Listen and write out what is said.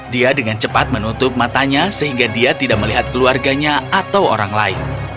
dia dengan cepat menutup matanya sehingga dia tidak melihat keluarganya atau orang lain